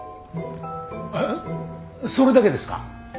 えっそれだけですか？